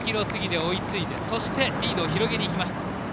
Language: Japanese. ２ｋｍ過ぎで追いついてそして、リードを広げにいきました。